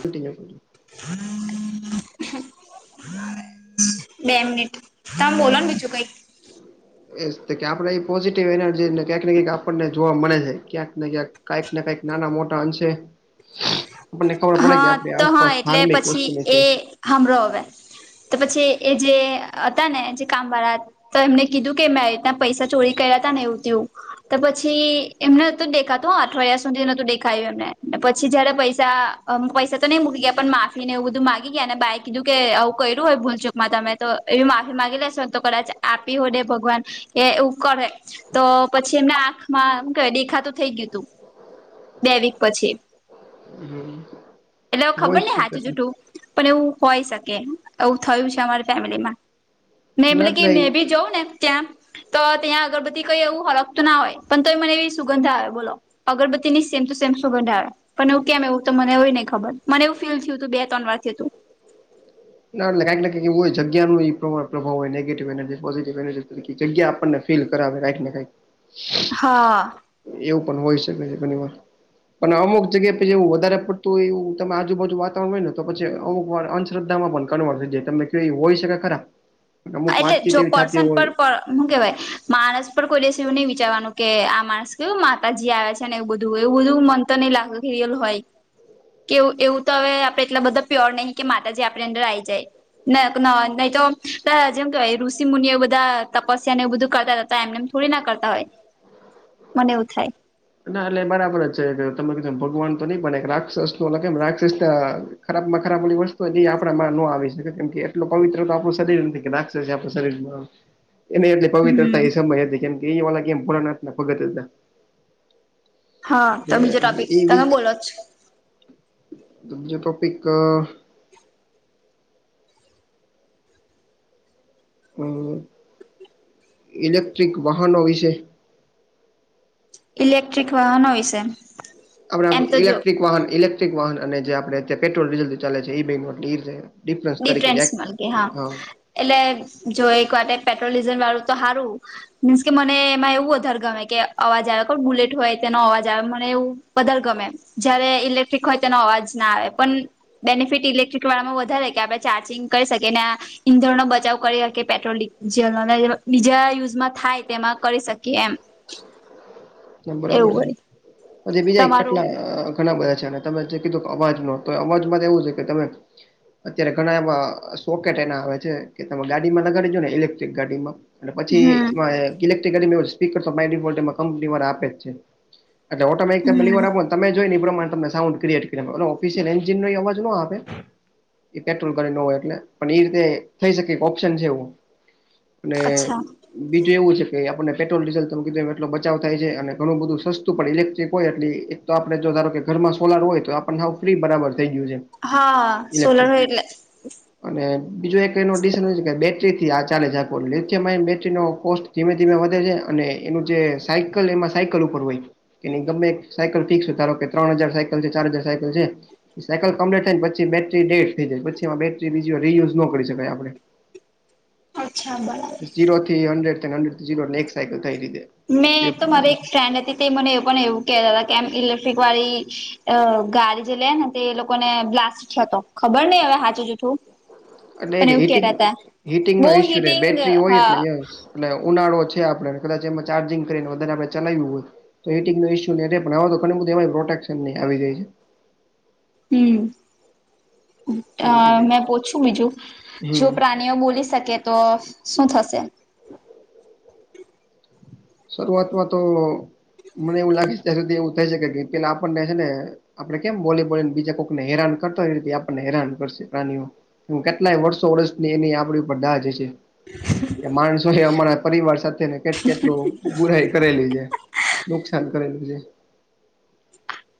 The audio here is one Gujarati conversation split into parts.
કન્ટીનું કન્ટીનું [inaudible] બે મિનિટ તમ બોલોન બીજું કઈક [inaudible] એ જ તે કે આપડે ઈ પોઝિટિવ એનર્જીને એટલે ક્યાંક ને ક્યાંક આપણને જોવા મળી જાઈ ક્યાંક ને ક્યાંક કાઈક ને કાઈક નાના મોટા અંશે આપણને ખબર પડે કે હા આપણી આસપાસ ધાર્મિક વસ્તુઓ છે. હાંભળો હવે તો પછી એ જે હતા ને જે કામવાળા તો એમને કીધું કે મેં આઈતના પૈસા ચોરી કર્યા હતા ને એવું તેવું તો પછી એમને નતું જ દેખાતું અઠવાડિયા સુધી નતું દેખાય્યું એમને અને પછી જયારે પૈસા અ પૈસા તો નઈ મૂકી ગયા પણ માફી ને એવું બધું માંગી ગયા અને બાએ કીધું કે આવું કર્યું હોય ભૂલ ચૂક મા તમે તો એવી માફી માંગી લેેશોન તો કદાચ આપી હો દે ભગવાન એ એવું કરે તો પછી એમને આંખમાં એમ કે દેખાતું થઈ ગયું તું, બે વીક પછી. હમ. એટલે હવે ખબર ની હાચું જુઠું પણ એવું હોય શકે એવું થયું છે અમારી ફેમિલીમાં. ના મેમ્બલી કે એટલે મે ભી જઉં ને ત્યાં તો ત્યાં અગરબત્તી કઈ એવું હલગતુ ના હોય પણ તો એ મને એવી સુગંધ આવે બોલો. અગરબત્તી ની સેમ તું સેમ સુગંધ આવે પણ એવું કેમ એવું તો મને એવું એ નઈ ખબર, મને એવું ફીલ થયું તું બે ત્રણ વાર થયું તું. ના એટલે કાઈક ને કાઈક એવું હોય જગ્યા નું એ પ્રમાણ પ્રભાવ હોય નેગેટિવ એનર્જી પોઝિટિવ એનર્જી તરીકે જગ્યા આપણને ફીલ કરાવે કાઈક ને કાઈક. હા. એવું પણ હોય શકે છે ઘણી વાર. પણ અમુક જગ્યા પહી એવું વધારે પડતું હોય એવું તમે આજુબાજુ વાતાવરણ હોય ને તો પછી અમુક વાર અન શ્રદ્ધામાં બનખાનું આવે જે તમે ક્યો એ હોય શકે ખરા. અમુક હા, એટલે વાતચીત જો એવી થતી પર્સન હોય પર પર હું કેવાય માણસ પર કોઈ દિવસે એવું નહી વિચારવાનું કે આ માણસ કેવું માતાજી આવે છે. હેને એવું બધું એવું બધું મન તો નઈ લાગતું કે રિયલ હોય કેવું એવું તો હવે આપડે એટલા બધા પ્યોર નહીં કે માતાજી આપડી અંદર આઈ જાય. મે આપના નહી તો ત જેમ કેવાય ઋષિ મુનિઓ બધા તપસ્યા ને એવું બધું કરતા હતા તો એમનેમ થોડી ના કરતા હોય. મને એવું થાય. ના એટલે બરાબર જ છે જે તમે કીધું એમ ભગવાન તો નઈ પણ એક રાક્ષસ ઓલા કેમ રાક્ષસના ખરાબ માં ખરાબ વડી વસ્તુ હોય તે આપડામાં નો આવી શકે કેમ કે એટલું પવિત્ર તો આપડું શરીર એ નથી કે રાક્ષસ એ આપડા શરીરમાં એને એટલે પવિત્રતા હમ એ સમય એ હતી કેમ કે એ વાળા કેમ ભોલાનાથના ભગત હતા. હા તો એટલે બીજો ટોપિક એ તમે વીક બોલો છ. બીજો ટોપિક અ હમ્મ ઇલેક્ટ્રિક વાહનો વિશે ઇલેક્ટ્રિક વાહનો વિશે આપડે એમ આપણું તો જો ઇલેક્ટ્રિક વાહન ઇલેક્ટ્રિક વાહન અને જે આપડે પેટ્રોલ ડીઝલ થી ચાલે છે એ બેમાં ડિફરન્સ માલકે હા એટલે જો એક વાર પેટ્રોલ ડીઝલ વાળું તો હારું મીન્સ કે મને એમાં એવું વધારે ગમે કે અવાજ આવે કોણ બુલેટ હોય તેનો અવાજ આવે મને એવું વધારે ગમે જયારે ઇલેક્ટ્રિક હોય તેનો અવાજ ના આવે પણ બેનિફિટ ઇલેક્ટ્રિક વાળામાં વધારે કે આપડણે ચાર્જિંગ કરી શકીએ ને આ ઈંધણનો બચાવ કરી શકીએ પેટ્રોલ ડીઝલ અને બીજા યુઝમાં થાય તેમાં કરી શકીએ એમ બરાબર એવું વરી છે બીજા એક તમારું ખટલા ઘણા બધા છે અને તમે જે કીધું કે અવાજ ન તો અવાજમાં તો એવું છે કે તમે અત્યારે ઘણા એવા સોકેટ એના આવે છે કે તમે ગાડીમાં લગાડીજો ને ઇલેક્ટ્રિક ગાડીમાં અને પછી હમ એ ઇલેક્ટ્રિક સ્પીકર તો માય ડિફોલ્ટ એ કંપની વાળા આપે જ છે અચા ઓટોમેટિક તમે પેલી વાર હમ આપો તમે જો ને એ પ્રમાણે સાઉન ક્રિએટ ઓફિસિયલ એન્જિન નો અવાજ નો આવે. એ પેટ્રોલ કર્યો ન હોય એટલે પણ એ રીતે થઈ શકે કે ઓપ્શન છે એવું અને અચ્છા બીજું એવું છે કે આપને પેટ્રોલ ડીઝલ તમ કીધું એટલો બચાવ થાય છે અને ઘણું બધું સસ્તું પણ ઇલેક્ટ્રિક હોય એટલે એક તો આપડણે જો ધારો કે ઘરમાં સોલાર હોય તો આપણને હું ફ્રી બરાબર થઈ ગયું છે હા સોલર ઇલેક્ટ્રિક હોય એટલે અને બીજું એક એનું ડિશન હોય છે કે બેટરીથી આ ચાલે છે આપ લીથી એમ બેટરીનો પોસ્ટ ધીમે ધીમે વધે છે અને એનું જે સાયકલ એમાં સાયકલ ઉપર હોય એની ગમે સાયકલ ફિક્સ ધારો કે ત્રણ હજાર સાયકલ છે ચાર હજાર સાયકલ છે સાયકલ કમ્પ્લીટ થઈ ને પછી બેટરી ડેડ થઈ જાય પછી એમાં બેટરી બીજી રીયુઝ ન કરી શકાય આપણે [inaudible] અચ્છા બરાબર ઝીરો થી હંડ્રેડ હંડ્રેડ જિરો ને એક થઈ રીતે એ મેં તો મારી પ્રમાણે એક છે ફ્રેન્ડ હતી તે મને એ પણ એવું કહેતા હતા કે આમ ઇલેક્ટ્રિક ગાડી અ ગા આવી રીતે લે લોકોને બ્લા છે તો ખબર નઈ હવે હાચું જૂઠું પણ એટલે એવું હિટિંગ કેતા હતા હિટિંગ બહુ નો ઇશ્યુ રે હિટિંગ બેટરી હોય ને હા અ એટલે ઉનાળો છે આપણે કદાચ એમાં ચાર્જિંગ કરીને વધારે આપડણે ચલાવ્યું હોય તો હિટંગો ઇશ્ય નહી પણ તો ઘણી બધી એમાં પ્રોટેક્શન નહી આવી જાય હમ અ એવું છે ત્યાં મેં પૂછ્યું બીજું જો હમ પ્રાણીઓ બોલી શકે તો શું થશે શરૂઆતમાં તો મને એવું લાગે ત્યાં સુધી એવું થાય શકે પેલા આપને છે ને આપડે કેમ બોલી બોલીને બીજા કોઈકને હેરાન કરતા એ રીતે આપણને હેરાન કરશે પ્રાણીઓ હ કેટલાય વર્ષો વર્ષની એની આપણી ઉપર દાહજ હશે. કે માણસો એ અમારા પરિવાર સાથે ને કેટ કેટલું બુરાઈ કરેલી છે નુકસાન કરેલું છે.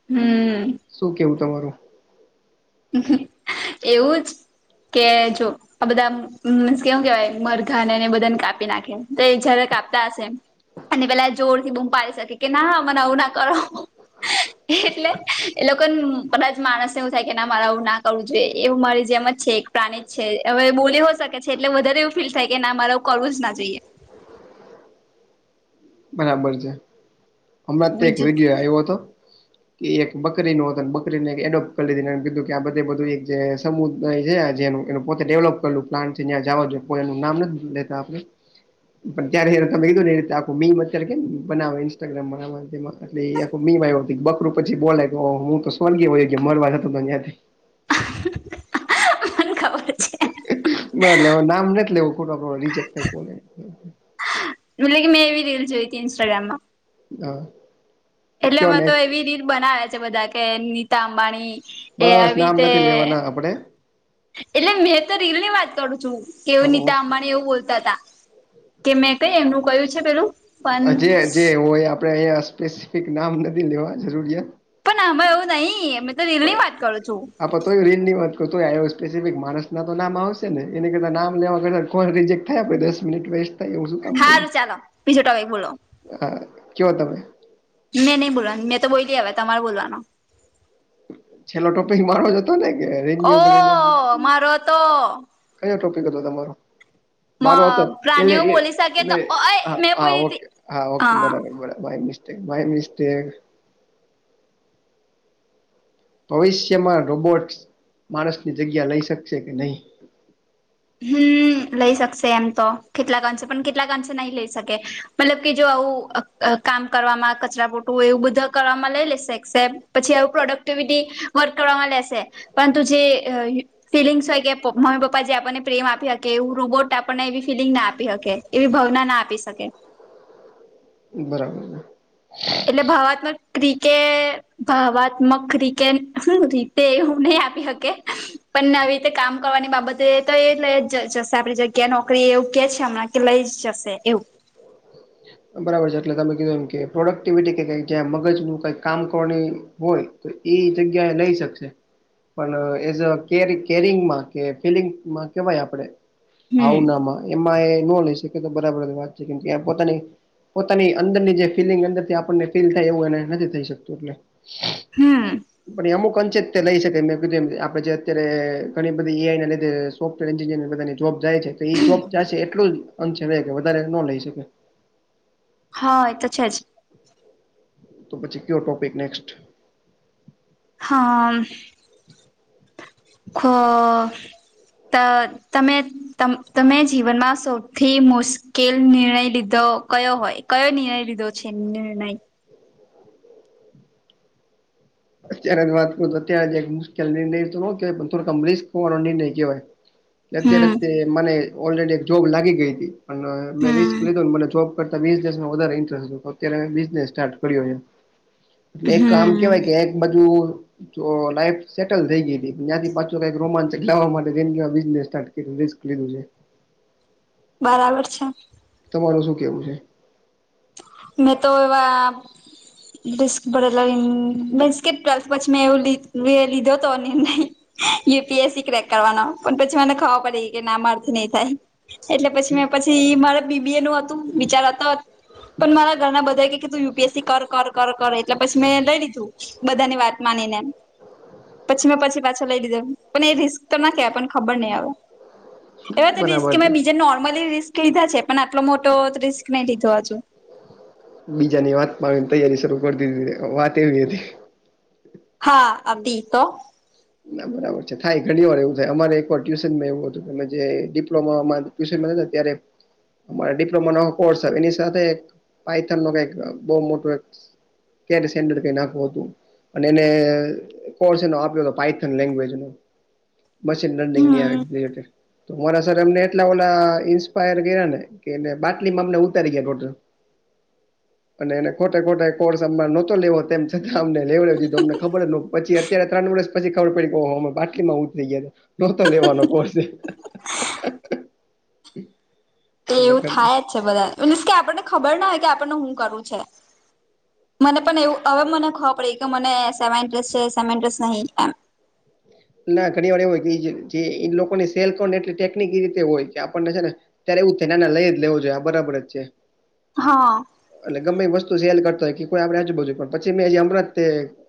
હમ શું કેવું તમારું [unintelligible] એવું જ કે જો આ બધા મીન્સ કેવું કેવાય મરઘા એને બધાને કાપી નાખે તો એ જયારે કાપતા હશે. અને પેલા જોર થી બુમ પાડી શકે કે ના મને આવું ના કરો. એટલે એ લોકોને કદાચ માણસને એવું થાય કે ના મારે આવું ના કરવું. એવું મારી જેમ જ છે એક પ્રાણી જ છે હવે બોલી હો શકે છે એટલે વધારે એવું ફીલ થાય કે મારો કરવું જ ના જઈએ. બરાબર છે હમણાં તે એક બીજું વિડિયો આવ્યો હતો. એ એક બકરીનું હતું અને બકરીને એક એડોપ્ટ કરી દધ કીધું કે આ બધે બધું એક જે સમુદાય છે જેનું. એનું પોતે ડેવલપ કરેલું પ્લાન છે જ્યાં જવા જોએ એનું નામ નથી લેતા આપડે [unintelligible] મીમ અત્યારે કે બનાવે ઇન્સ્ટાગ્રામ આખ મીમ આવ્યો બકરું પછી બોલે હું તો [unintelligible] અહીંયાથી મને ખબર છે નામ નથી લેવું ખોટ રિજેક થાય. કોને [unintelligible] રીલસ જોઈ હતી ઇન્સ્ટાગ્રામ માં હા એટલે કયો એમાં તો નેક્સ્ટ એવી રીલ બનાવે છે બધા કે નીતા અંબાણી એ બસ નામ આવીતે નથી લેવાના આપડે એટલે મેં તો રીલ ની વાત કરું છું કે એવું નીતા ઓકે અંબાણી એવું બોલતા હતા. કે મેં કઈ એમનું કયું છે પેલું? પણ જે જે હોય આપણેે અહીયા સ્પેસિફિક નામ નથી લેવા જરૂરિયા પણ આમાં એવું નહી અમે તો રીલ ની વાત કરું છું. આપ તોય રીન ની વાત કરય આવ સ્પેસિફિક માણસ ના તો નામ આવશે ને એની કરતા નામ લેવા કરતા કોણ રિજેક્ટ થાય આપણે દસ મિનિટ વેસ્ટ થાય એવું. કામ હા કરું ચાલો બીજો ટોપીક બોલો. હા કયો તમે મેં નહીં બોલવાની મે તો બોલી હશે તમારે બોલવાનો. છેલ્લો ટોપીક મારો જતો ને કે ઓ રેન્યુ બને. મારો તો કયો ટોપિક હતો તમારો? મારો હતો પ્રાણીઓ બોલી શકે તો એટલે અ હા મેં બોલી હતી હાકે હા ઓકે બરાબર બાય મિસ્ટેક ભવિષ્યમાં રોબોટસ માણસની જગ્યા લઈ શકશે કે નહીં? હમ લઈ શકશે એમ તો કેટલાક અંશે પણ કેટલાક અંશે નહી લઈ શકે. મતલબ કે જો આવું કામ કરવામાં કચરાપોટું એવું બધું કરવામાં લઈ લેશે સેપ પછી આવું પ્રોડક્ટિવિટી વધ કરવામાં લેશે. પરંતુ જે ફિલિંગ્સ હોય કે મમ્મી પપ્પા જે આપને પ્રેમ આપી શકે એવું રોબોટ આપણને એવી ફિલિંગ ના આપી શકે એવી ભાવના ના આપી શકે. બરાબર એટલે ભાવાત્મક ક્રિકે ભાવાત્મક ક્રિકે શું?? તે હું નહી આપી હકે. પણ નવી રીતે કામ કરવાની બાબતે તો એ જશે આપણી જગ્યા નોકરી એવું કે છે હમણાં લઈ જશે એવું બરાબર છે એટલે તમે કીધું એમ કે પ્રોડક્ટિવિટી કે કઈક જ્યાં મગજનું કંઈક કામ કરવાની હોય. તો એઈ જગ્યા એ લઈ શકશે. પણ એઝ [inaudible] કે ફિલિંગમાં કેવાય આપણે હમ [inaudible] એમાં એ ન લઈ શકે તો બરાબર વાત છે કેમ પોતાની પોતાની અંદરની જે ફીલિંગ અંદરથી આપને ફીલ થાય એવું એને નથી થઈ શકતું એટલે હમ પણ એ અમુક અંચિત લઈ શકે મે આપડે જે અત્યારે ઘણી બધી એઆઈ ના લીધે સોફ્ટવેર એન્જિનિયર બધાની જોબ જાય છે તો એ જોબ જાશે એટલુ જ અંશ છે રહે કે વધારે ન લઈ શકે. હ હા એ તો છે જ. તો પછી કયો ટોપિક નેક્સ્ટ. હા ખ તો તમે તમે જીવનમાં સૌથી મુશ્કેલ નિર્ણય લીધો કયો હોય? કયો નિર્ણય લીધો છે નિર્ણય? અત્યારે જ વાત કરું તો અત્યારે એક મુશ્કેલ નિર્ણય કેવાય પણ થોડક અમલીશ ખવાનો નિર્ણય કહેવાય. અત્યારે હમ જ તે મને ઓલરેડી એક જોબ લાગી ગઈ હતી, પણ મેં રિસ્ક હમ લીધુંને મને જોબ કરતા વીસ દિવસમાં વધારે ઇન્ટરેસ્ટ ગયો તો. અત્યારે બિઝનેસ સ્ટાર્ટ કર્યો છે. એટલે એક કામ હમ કેવાય કે એક બાજુ તો લાઈફ સેટલ થઈ ગઈ તી, ત્યાંથી પાછો કઈક રોમાંચક લાવવા માટે ઈ નેવા બિઝનેસ સ્ટાર્ટ એક રિસ્ક મયલુ છે. બરાબર છે. તમારું શું કેવું છે? મેં તો એવા મિક્સ ભરેલા કે ટ્વેલ્થ પછી મેં એવું લીધો હતો નિર્ણય. U P S C crack કરવાનો પણ પછી મને ખબર પડી કે ના માર થી નહી થાય. એટલે પછી મે પછી મારા બી બી એ નું હતું, બિચારાતા પણ મારા ઘરના બધા કે તું યુ પી એસ સી કર કર કર એટલે પછી મેં લઈ લીધું. બધાની વાત માનીને એમ. પછી મે પછી પાછા લઈ લીધા પણ એ, રિસ્ક તો ના કેહેવાય પણ ખબર નહી આવે. એવા તો બરાબર રિસ્ક છે. મેં બીજા નોર્મલી રિસ્ક લીધા છે પણ આટલો મોટો રિસ્ક નહી લીધો હજુ. બીજાની વાતમાં આવીને તૈયારી શરૂ કરી દીધી હતી, વાત એવી હતી. હા હતી તો? ના બરાબર છે થાય ઘણી વાર એવું થાય અમારે એકવાર ટ્યુશનમાં એવું હતું કે જે ડિપ્લોમામાં ટ્યુશન મળે ને ત્યારે ડિપ્લોમા નવો કોર્સ એની સાથે પાઈથન નો કઈક બવ મોટો એક કે સેર કઈ નાખું હતું અને એને કોર્ષ એનો આપ્યો હતો. પાઇથન લેન્ગવેજ નો, મશીન ડેન્ડિંગ હમ આવે તો વર્ષ સર એમને એટલા ઓલા ઇન્સ્પાયર કર્યા ને કે બાટલી માં અમને ઉતારી ગયા ટોટલ. અને એને ખોટે ખોટા કોર્સ અમાં નહોતો લેવો તેમ અમને લેવડાઈ દીધો અમને ખબર જ પછી અત્યારે ત્રણ વર્ષ પછી ખબર પડી બાટલીમાં ઉતરી ગયા નોતો લેવાનો કોર્સ. હમ એ એવું થાય જ છે બધા મીન્સ કે આપણને ખબર ના હોય કે આપણને હું કરવુ છે. મને પણ એવું હવે મને ખબ પડી કે મને સેમા ઇન્ટરેસ્ટ છે સેમા ઇન્ટરેસ્ટ નહીં એમ. ના ઘણી વાર એ હોય કે જે લોકોની સેલને એટ ટેકનિક રીતે હોય કે આપણને છે ને ત્યારે એવુ જ થા નાના લઈ જ લેવો જોઈ આ બરાબર જ છે. હા. એટલે ગમે એ વસ્તુ સેલ કર હોય કે કોઈ આપડે આજુબજુ પણ પછી મે જે હમણાં જ તે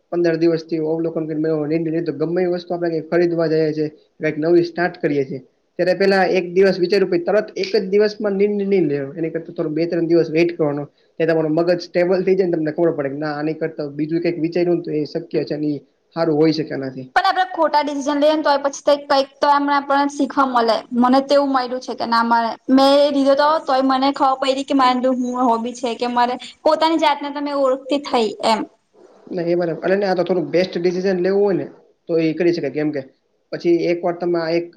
પંદર દિવસથી [unintelligible] તો ગમે એ વસ્ તુ આપડે કઈ ખરીદવા જઈએ છીએ. કઈક નવી સ્ટાર્ટ કરીએ છીએ. ત્યારે પેલા એક દિવસ વિચાર્યું પહિ તરત એક જ દિવસ માં નિ [inaudible] ની લે એમ એની કરતા થોડો બે ત્રણ દિવસ વેઇટ કરવાનો એ તમારું મગજ સ્ટેબલ થઈ જાય ને તમને ખબર પડે આની કરતા બીજું કઈક વિચાર્યું તું એ શક્ય છેન ઈ હારું હોય શકે એનાથી. ને આપડે ખોટા ડિસિઝન લઈએને તો પછી કઈક તો એમનેને શીખવા મળે મને તેવું મળ્યું છે કે ના મારે મેં લીધો હતો તોય મને ખબર પડી કે મા હું હોબી છે કે મારે પોતાની જાતને તો મે ઓળખતી થઈ એમ. ના એ અનેને આ થોડું બેસ્ટ ડિસિઝન લેવું હોય ને તો એ કરી શકાય કેમ કે પછી એક વાર તમે એક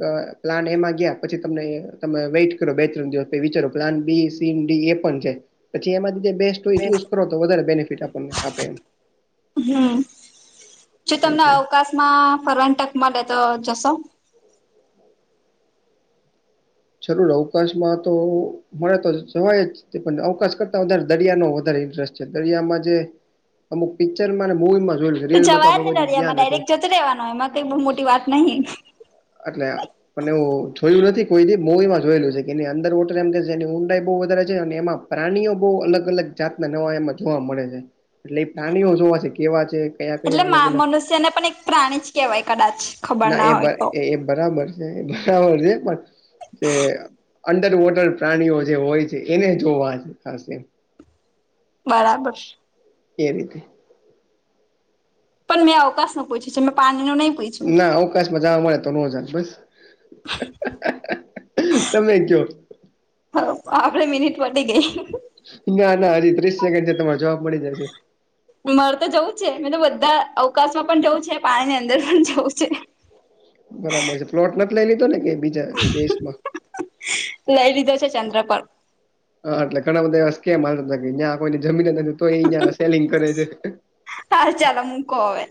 પ્લાન એમાં ગયા પછી તમને તમે વેટ બે ત્રણ દિવસ વિચારો પ્લાન બી સીન ડી એ પણ છે પછી એમાંથી જે બેસ્ટ ચુઝ કરો તો વધારે બેનિફિટ આપણને આપે એમ. હમ્મ, જો એ તમને છે. અવકાશમાં ફરવા ન ટક મળે તો જશો? જરૂર અવકાશમાં તો મળને તો જવાય જ પણ અવકાશ કરતા વધારે દરિયા નો વધારે ઇન્ટરેસ્ટ છે દરિયામાં જે અમું પિક્ચર મુવી માં જોઈ તો જવાય ને દરિયામાં ડાયરેક્ટ જતો રહેેવાનો એમાં કઈ બહુ મોટી વાત નહીં એટલે પણ એવું જોયું નથી કોઈ મોવીમાં જોયેલું છે કે અંદર વોટર એમ એની ઊંડાઈ બહ વધારે છે અને એમાં પ્રાણીઓ બહુ અલગ અલગ જાતના નવા એમાં જોવા મળે છે એટલે એ પ્રાણીઓ જોવા છે કેવા છે કયા કયા એટલે અલગ અલગ મનુષ્યને પણ એક પ્રાણી જ કેહેવાય કદાચ ખબર ના હોય તો એ બરાબર છે બરાબર છે પણ તે અંડર વોટર પ્રાણીઓ જે હોય છે એને જોવા ખાસ એ બરાબર એ રીતે પણ મેં અવકાશ નુ પૂછ્યું છે મેં પાણી નુ નહીં ના અવકાશમાં જાવા મળે તો નો જાત બસ તમે કયો હ આપડી મિનિટ વધી ગઈ ના ના હજી ત્રીસ સેકન્ડ છે તમારે જવાબ મળી જશે માર તો જવું છે મે તો બધા અવકાશમાં પણ જવું છે પાણીની અંદર પણ જવું છે બરાબર છે પ્લોટ નથી લઈ લીધો ને કયાય બીજા દેશમાં લઈ લીધો છે ચંદ્ર પર હા એટલે ઘણા બધા સ્કેમ હલતા હતા જ્યાં કોઈને જમીન નથી તોય ઇ ન્યા સેલિંગ કરે છે હાર ચાલો મુકો હવે